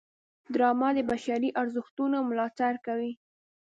ډرامه د بشري ارزښتونو ملاتړ کوي